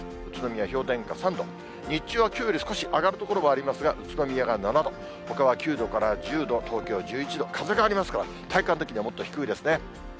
宇都宮氷点下３度、日中はきょうより少し上がる所もありますが、宇都宮が７度、ほかは９度から１０度、東京１１度、風がありますから、体感的にはもっと低いですね。